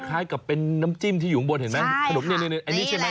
คล้ายกับเป็นน้ำจิ้มที่อยู่ข้างบนเห็นไหม